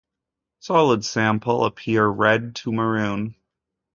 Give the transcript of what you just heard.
Solid sample appear red to maroon.